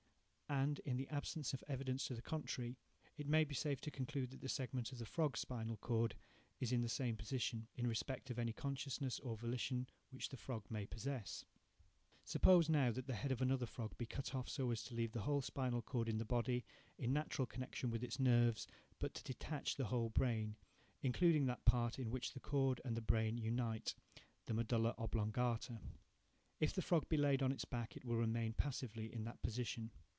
And, in the absence of evidence to the contrary, it may be safe to conclude that the segment of the frog's spinal cord is in the same position, in respect of any consciousness, or volition, which the frog may possess. Suppose, now, that the head of another frog be cut off so as to leave the whole spinal cord in the body, in natural connection with its nerves, but to detach the whole brain, including that part in which the cord and the brain unite–the medulla oblongata . If the frog be laid on its back, it will remain passively in that position.